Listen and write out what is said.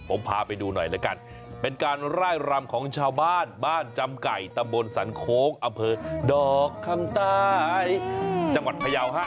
ผมพาไปดูหน่อยแล้วกันเป็นการไล่รำของชาวบ้านบ้านจำไก่ตำบลสันโค้งอำเภอดอกคำใต้จังหวัดพยาวฮะ